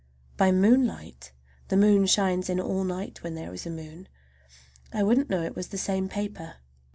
By moonlight—the moon shines in all night when there is a moon—I wouldn't know it was the same paper.